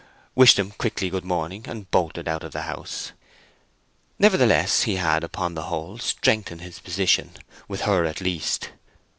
wished them quickly good morning, and bolted out of the house. Nevertheless he had, upon the whole, strengthened his position, with her at least.